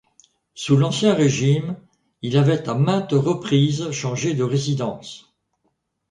Sous l'Ancien Régime, il avait à maintes reprises changé de résidence.